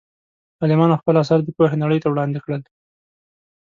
عالمانو خپل اثار د پوهې نړۍ ته وړاندې کړل.